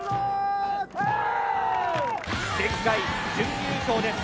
前回準優勝です。